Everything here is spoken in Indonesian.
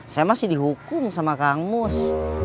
saya masih dihukum sama kang mus